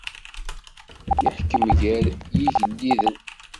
Iḥkem gar yigelliden.